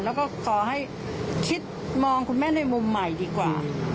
แล้วก็ขอให้คิดมองคุณแม่ในมุมใหม่ดีกว่า